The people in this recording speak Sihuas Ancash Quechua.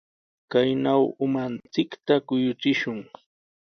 Kaynaw umanchikta kuyuchishun.